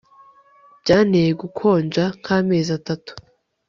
byanteye gukonja nkamezi atatu